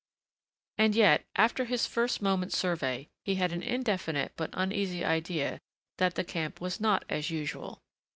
And yet, after his first moment's survey, he had an indefinite but uneasy idea that the camp was not as usual.